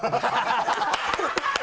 ハハハ